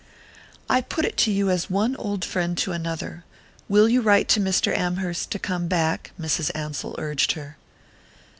"I put it to you as one old friend to another will you write to Mr. Amherst to come back?" Mrs. Ansell urged her.